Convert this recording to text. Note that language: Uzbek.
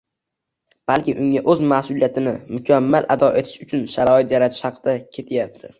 balki unga o‘z mas’uliyatini mukammal ado etishi uchun sharoit yaratish haqida ketyapti.